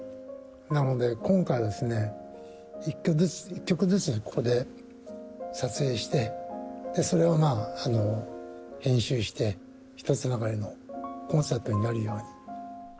なので今回はですね、１曲ずつ、ここで撮影して、それを編集して、ひとつながりのコンサートになるように。